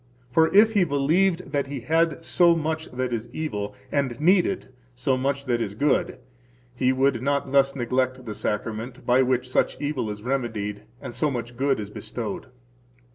For if he believed that he had so much that is evil, and needed so much that is good, he would not thus neglect the Sacrament, by which such evil is remedied and so much good is bestowed.